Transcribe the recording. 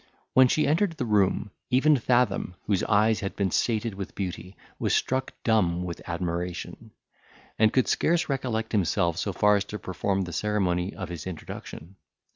When she entered the room, even Fathom, whose eyes had been sated with beauty, was struck dumb with admiration, and could scarce recollect himself so far as to perform the ceremony of his introduction.